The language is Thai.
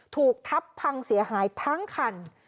ถูกทับพังเสียหายทั้งคัน